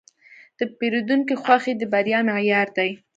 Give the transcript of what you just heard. د پیرودونکي خوښي د بریا معیار دی.